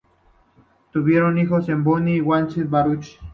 Tuvieron dos hijos: Bonnie y Wayne Baruch.